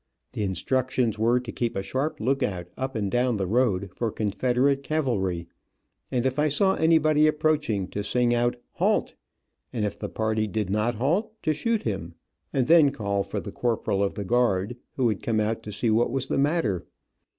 The instructions were to keep a sharp lookout up and down the road for Confederate cavalry, and if I saw anybody approaching to sing out "halt!" and if the party did not halt to shoot him, and then call for the corporal of the guard, who would come out to see what was the matter.